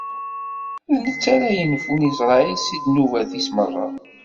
D netta ara yenfun Isṛayil si ddnubat-is merra.